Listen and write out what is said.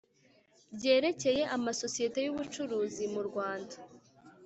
ryerekeye amasosiyete y ubucuruzi mu Rwanda